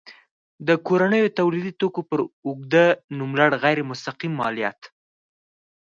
د کورنیو تولیدي توکو پر اوږده نوملړ غیر مستقیم مالیات.